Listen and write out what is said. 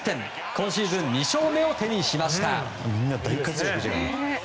今シーズン２勝目を手にしました。